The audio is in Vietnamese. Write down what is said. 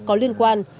có liên quan